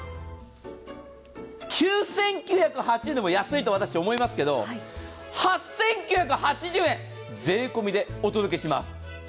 ９９８０円でも安いと私思いますけど、８９８０円、税込みでお届けします。